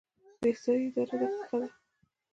د احصایې اداره دقیقه ده؟